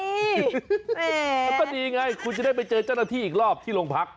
แล้วก็ดีไงคุณจะได้ไปเจอเจ้าหน้าที่อีกรอบที่โรงพัก